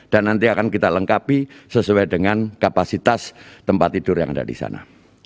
dan nanti akan kita lengkapi sesuai dengan kapasitas tempat tidur yang ada di sana